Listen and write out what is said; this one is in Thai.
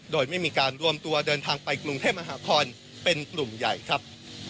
โดยไม่มีการรวมตัวเดินทางไปกรุงเทพมหานครเป็นกลุ่มใหญ่ครับ